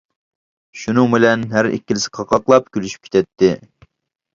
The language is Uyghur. شۇنىڭ بىلەن ھەر ئىككىلىسى قاقاقلاپ كۈلۈشۈپ كېتەتتى.